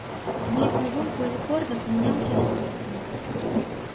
Дыяпазон клавікордах мяняўся з часам.